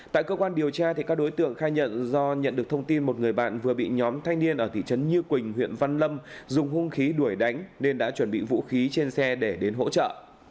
tại cơ quan điều tra các đối tượng khai nhận do nhận được thông tin một người bạn vừa bị nhóm thanh niên ở thị trấn như quỳnh huyện văn lâm dùng hung khí đuổi đánh nên đã chuẩn bị vũ khí trên xe để đến hỗ trợ